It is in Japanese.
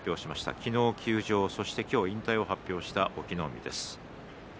昨日休場そして今日引退を発表した隠岐の海です。